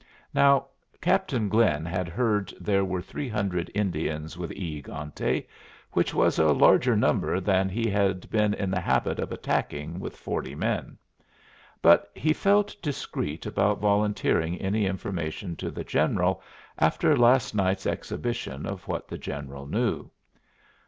Now Captain Glynn had heard there were three hundred Indians with E egante, which was a larger number than he had been in the habit of attacking with forty men. But he felt discreet about volunteering any information to the General after last night's exhibition of what the General knew.